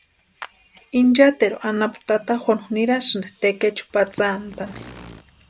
Inchateru anapu tata Juanu nirasïnti tekechu patsantaani.